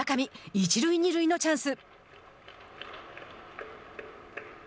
一塁二塁のチャンス。